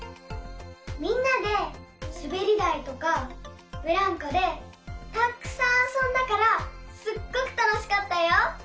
みんなですべりだいとかブランコでたっくさんあそんだからすっごくたのしかったよ。